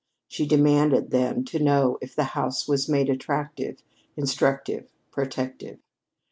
She demanded, then, to know if the house was made attractive, instructive, protective.